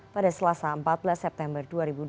pada selasa empat belas september dua ribu dua puluh